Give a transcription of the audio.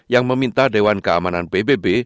yang meminta dewan keamanan pbb